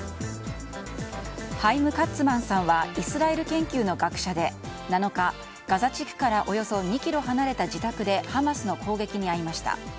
ハイム・カッツマンさんはイスラエル研究の学者で７日、ガザ地区からおよそ２ｋｍ離れた自宅でハマスの攻撃に遭いました。